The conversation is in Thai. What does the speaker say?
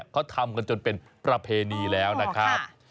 เขาทำกันจนเป็นประเพณีแล้วนะครับ